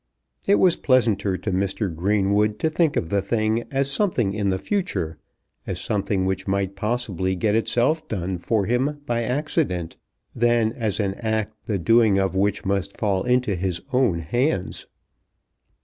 It was pleasanter to Mr. Greenwood to think of the thing as something in the future, as something which might possibly get itself done for him by accident, than as an act the doing of which must fall into his own hands.